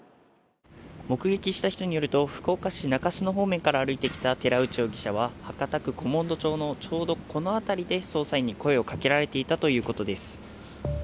目撃した人によると福岡市中洲の方面から歩いてきた寺内容疑者は、博多区古門戸町の、ちょうどこの辺りで捜査員に声をかけられていたということです。